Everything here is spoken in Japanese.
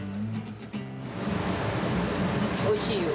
おいしいよ。